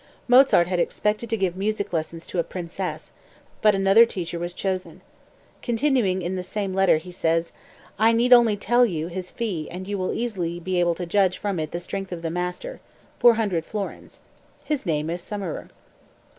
Mozart had expected to give music lessons to a princess, but another teacher was chosen. Continuing in the same letter, he says: "I need only tell you his fee and you will easily be able to judge from it the strength of the master 400 florins. His name is Summerer.")